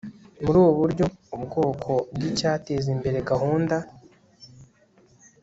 muri ubu buryo ubwoko bw icyateza imbere gahunda